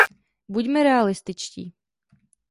Buďme realističtí.